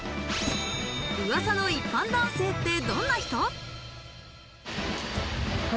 噂の一般男性ってどんな人？